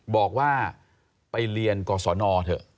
บอกว่าไปเรียนก่อสอนออเถอะ